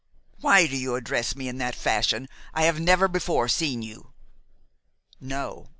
"Why do you address me in that fashion? I have never before seen you." "No.